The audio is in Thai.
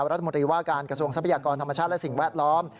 รัฐมนตรีว่าการกระทรวงทรัพยากรธรรมชาติและสิ่งแวดล้อม